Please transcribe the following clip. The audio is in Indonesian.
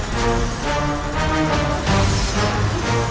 tidak ada bunda